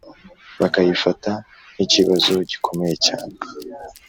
bakayifata nk’ikibazo gikomeye cyane